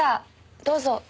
どうぞ。